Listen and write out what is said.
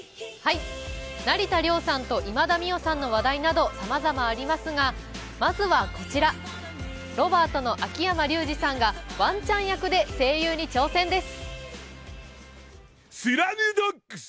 成田凌さんと今田美桜さんの話題などさまざまありますがまずはこちら、ロバートの秋山竜次さんがワンちゃん役で声優に挑戦です。